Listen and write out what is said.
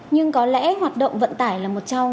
nhưng có lẽ hoạt động vận tải là một trong